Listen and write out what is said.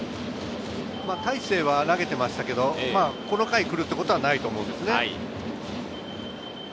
大勢は投げていましたけれど、この回、くるということはないと思うんですよね。